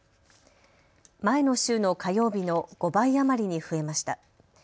前の週の火曜日の５倍余りに増えました。